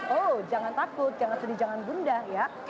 oh jangan takut jangan sedih jangan gundah ya